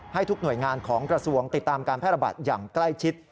ให้ทุกหน่วยงานของกระทรวงติดตามการแพร่ระบาดอย่างใกล้ชิด